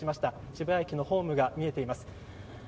渋谷駅のホームが見えています。